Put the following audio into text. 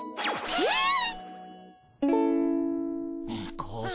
えっ？